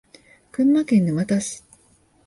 群馬県沼田市